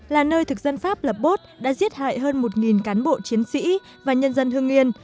là nơi thực dân pháp lập bốt đã giết hại hơn một cán bộ chiến sĩ và nhân dân hương nghiên